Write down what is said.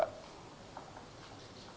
kita dapat informasi mengenai itu